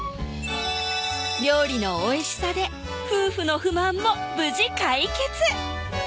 料理の美味しさで夫婦の不満も無事解決